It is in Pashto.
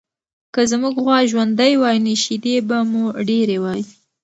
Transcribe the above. که زموږ غوا ژوندۍ وای، نو شیدې به مو ډېرې وای.